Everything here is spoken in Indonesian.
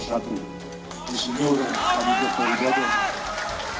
jusril jokowi maruf amin